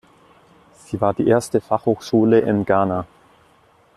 Sie war die erste Fachhochschule in Ghana.